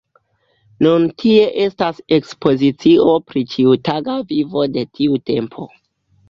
Nun tie estas ekspozicio pri ĉiutaga vivo de tiu tempo.